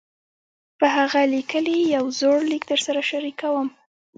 پۀ هغه ليکلے يو زوړ ليک درسره شريکووم -